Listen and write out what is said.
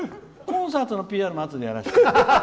コンサートのＰＲもあとでやらせて。